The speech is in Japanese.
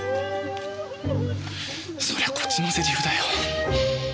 そりゃこっちのセリフだよ。